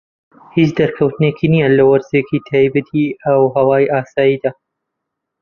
هیچ دەرکەوتنێک نیە لە وەرزێکی تایبەتی ئاوهەوای ئاساییدا.